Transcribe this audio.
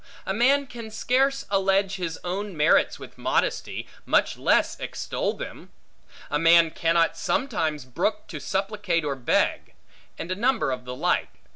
A man can scarce allege his own merits with modesty, much less extol them; a man cannot sometimes brook to supplicate or beg; and a number of the like.